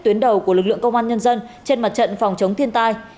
tuyến đầu của lực lượng công an nhân dân trên mặt trận phòng chống thiên tai